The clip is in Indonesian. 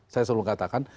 saya selalu mengatakan